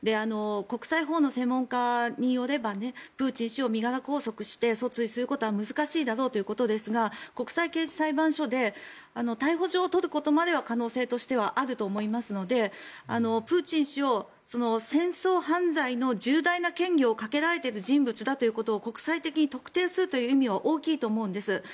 国際法の専門家によればプーチン氏を身柄拘束して訴追することは難しいだろうということですが国際刑事裁判所で逮捕状を取ることまでは可能性としてはあると思いますのでプーチン氏を戦争犯罪の重大な嫌疑をかけられている人物だということを国際的に特定するという意味は大きいと思うんです。